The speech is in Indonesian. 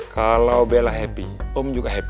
kalau bella happy om juga happy